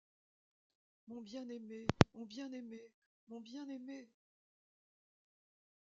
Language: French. Mon bien-aimé, mon bien-aimé, mon bien-aimé!